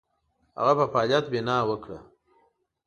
هغه په فعالیت بناء وکړه.